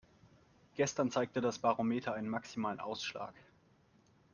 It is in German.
Gestern zeigte das Barometer einen maximalen Ausschlag.